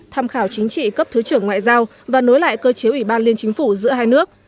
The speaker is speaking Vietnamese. tham khảo chính trị cấp thứ trưởng ngoại giao và nối lại cơ chế ủy ban liên chính phủ giữa hai nước